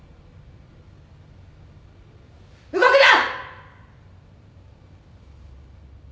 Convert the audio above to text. ・動くな！